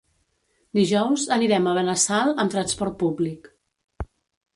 Dijous anirem a Benassal amb transport públic.